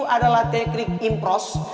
adalah teknik impros